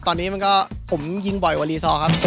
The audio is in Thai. ตอนนี้มันก็ผมยิงบ่อยกว่ารีซอร์ครับ